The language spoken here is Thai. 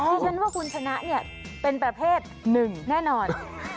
เพราะฉะนั้นว่าคุณชนะเป็นประเภท๑แน่นอน